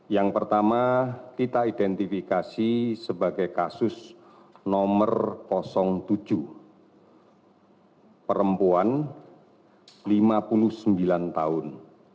yang pertama kita identifikasi sebagai kasus nomor tujuh perempuan lima puluh sembilan tahun